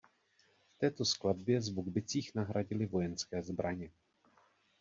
V této skladbě zvuk bicích nahradily vojenské zbraně.